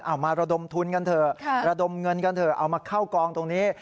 มาระดมทุนกันเถอะระดมเงินกันเถอะเอามาเข้ากองตรงนี้